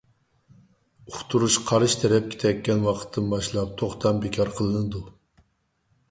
ئۇقتۇرۇش قارشى تەرەپكە تەگكەن ۋاقىتتىن باشلاپ توختام بىكار قىلىنىدۇ.